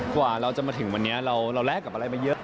กว่าเราจะมาถึงวันนี้เราแลกกับอะไรมาเยอะ